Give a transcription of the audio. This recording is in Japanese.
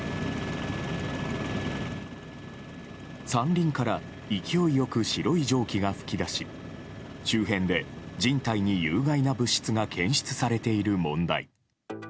山林から勢い良く白い蒸気が噴き出し周辺で、人体に有害な物質が検出されている問題。